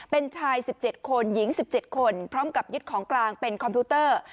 เป็นชาย๑๗คนหญิง๑๗คนพร้อมกับยึดของกลางเป็นคอมพิวเตอร์